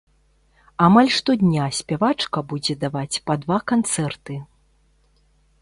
Амаль штодня спявачка будзе даваць па два канцэрты.